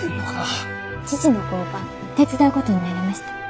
父の工場手伝うことになりました。